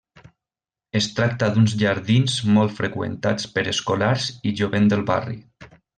Es tracta d'uns jardins molt freqüentats per escolars i jovent del barri.